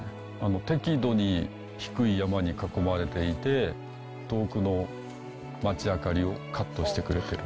適度に低い山に囲まれていて、遠くの街明かりをカットしてくれてる。